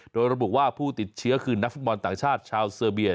โดยระบุว่าผู้ติดเชื้อคือนักฟุตบอลต่างชาติชาวเซอร์เบีย